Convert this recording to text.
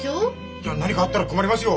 いや何かあったら困りますよ。